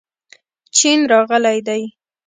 چین راغلی دی.